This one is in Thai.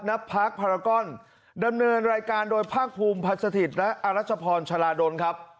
นับพรรคภารกรดำเนินรายการโดยภาคภูมิพันธ์สถิตรและอรัชพรฉลาดลครับ